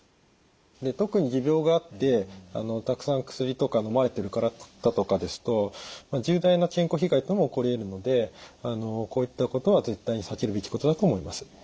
で特に持病があってたくさん薬とかのまれてる方とかですと重大な健康被害も起こりえるのでこういったことは絶対に避けるべきことだと思います。